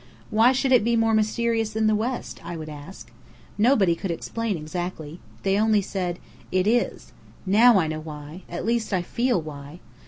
_ Why should it be more mysterious than the West? I would ask. Nobody could explain exactly. They said only, "It is." Now I know why at least I feel why.